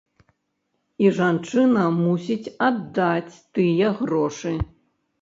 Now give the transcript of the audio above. І жанчына мусіць аддаць тыя грошы.